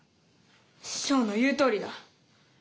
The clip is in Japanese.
師匠の言うとおりだ！